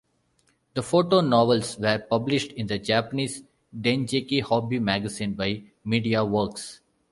The photo-novels were published in the Japanese Dengeki Hobby Magazine by Mediaworks.